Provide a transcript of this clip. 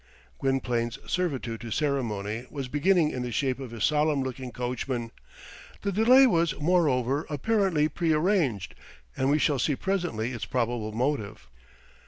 Gwynplaine's servitude to ceremony was beginning in the shape of his solemn looking coachman. The delay was, moreover, apparently prearranged; and we shall see presently its probable motive.